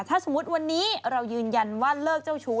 ถ้าสมมุติวันนี้เรายืนยันว่าเลิกเจ้าชู้